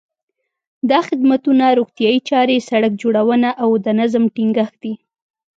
دا خدمتونه روغتیايي چارې، سړک جوړونه او د نظم ټینګښت دي.